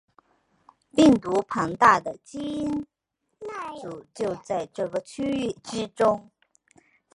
病毒庞大的基因组就在这个区域之中。